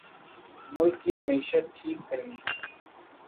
ملک کی معیشت ٹھیک کرنی ہے